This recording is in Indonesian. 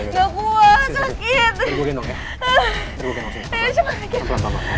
nggak kuat sakit